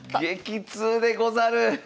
激痛でござる！